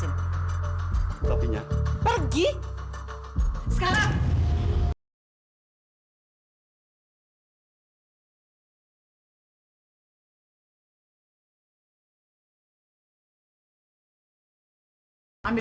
terima kasih banyak bener imman